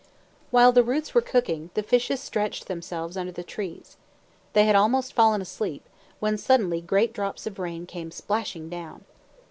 While the roots were cooking, the fishes stretched themselves under the trees. They had almost fallen asleep, when suddenly great drops of rain came splashing down.